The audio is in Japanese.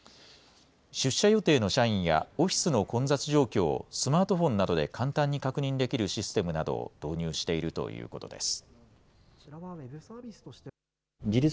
出社予定の社員や、オフィスの混雑状況をスマートフォンなどで簡単に確認できるシステムなどを導入しているということです。